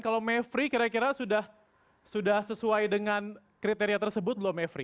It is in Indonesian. kalau mevri kira kira sudah sesuai dengan kriteria tersebut belum mevri